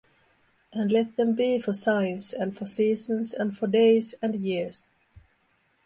and let them be for signs, and for seasons, and for days, and years: